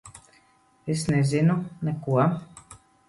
Es nezinu. Neko.